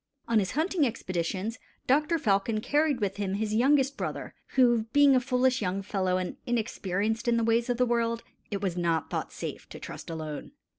On his hunting excursions Doctor Falcon carried with him his youngest brother, who, being a foolish young fellow and inexperienced in the ways of the world, it was not thought safe to trust alone.